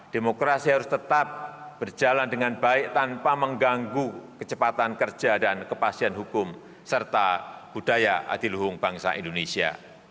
demokrasi harus tetap berjalan dengan baik tanpa mengganggu kecepatan kerja dan kepastian hukum serta budaya adiluhung bangsa indonesia